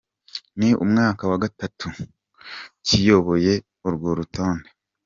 Ni umwaka wa gatatu kiyoboye urwo rutonde.